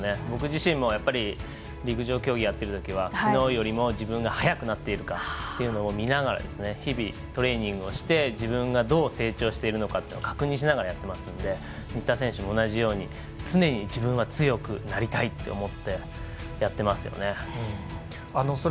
僕自身も、陸上競技をやっているときはきのうよりも自分が速くなっているかというのを見ながら日々トレーニングをして自分がどう成長しているのかというのを確認しながらやっていますので新田選手も同じように常に自分は強くなりたいと思ってやってますよね。